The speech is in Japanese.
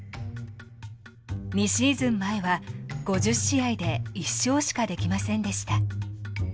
２シーズン前は５０試合で１勝しかできませんでした。